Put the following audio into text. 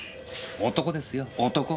男ですよ男。